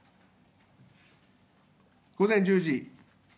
午前１０時。